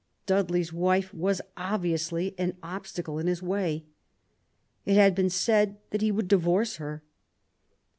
Dudley's wife was obviously an obstacle in his way. It had been said that he would divorce her.